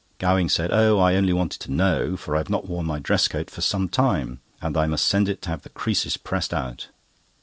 Gowing said: "Oh, I only wanted to know, for I have not worn my dress coat for some time, and I must send it to have the creases pressed out."